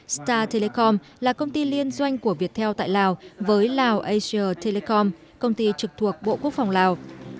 star telecom là công ty liên doanh của viettel tại lào với lào asia telecom công ty trực thuộc bộ quốc phòng lào